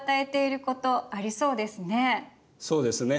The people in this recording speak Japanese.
そうですね。